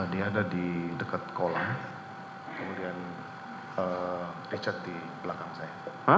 dia ada di dekat kolam kemudian richard di belakang saya